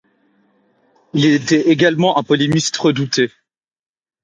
Il était également un polémiste redouté.